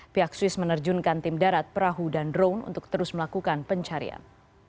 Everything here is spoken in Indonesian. pihak swiss menerjunkan tim darat perahu dan drone untuk terus melakukan pencarian